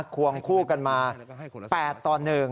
ควงคู่กันมา๘ต่อ๑